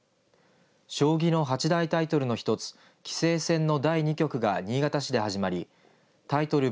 将棋の八大タイトルの１つ棋聖戦の第２局が新潟市で始まりタイトル